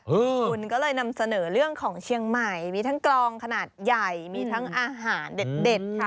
คุณก็เลยนำเสนอเรื่องของเชียงใหม่มีทั้งกลองขนาดใหญ่มีทั้งอาหารเด็ดค่ะ